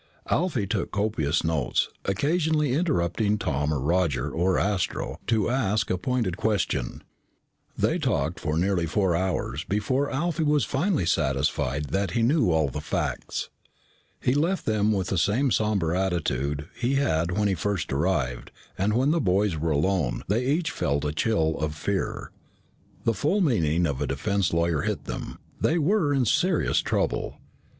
Alfie took copious notes, occasionally interrupting Tom or Roger or Astro to ask a pointed question. They talked for nearly four hours before Alfie was finally satisfied that he knew all the facts. He left them with the same somber attitude he had when he first arrived, and when the boys were alone, they each felt a chill of fear. The full meaning of a defense lawyer hit them. They were in serious trouble.